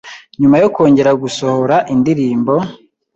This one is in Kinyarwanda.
nyuma yo kongera gusohora indirimbo